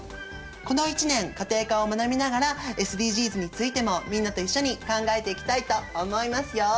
この１年家庭科を学びながらＳＤＧｓについてもみんなと一緒に考えていきたいと思いますよ。